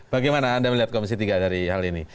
bagaimana anda melihat komisi tiga dari hal ini